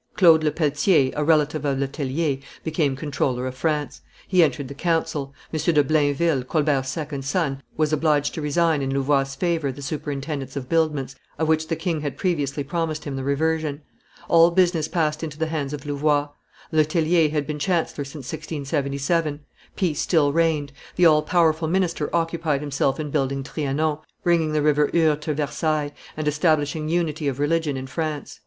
Claude Lepelletier, a relative of Le Tellier, became comptroller of finance; he entered the council; M. de Blainville, Colbert's second son, was obliged to resign in Louvois' favor the superintendence of buildments, of which the king had previously promised him the reversion. All business passed into the hands of Louvois. Le Tellier had been chancellor since 1677; peace still reigned; the all powerful minister occupied himself in building Trianon, bringing the River Eure to Versailles, and establishing unity of religion in France.